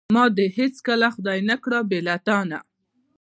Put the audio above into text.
ما دې هیڅکله خدای نه کا بې له تانه.